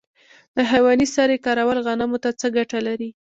د حیواني سرې کارول غنمو ته څه ګټه لري؟